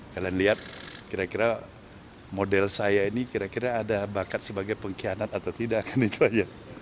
kalian lihat kira kira model saya ini kira kira ada bakat sebagai pengkhianat atau tidak kan itu aja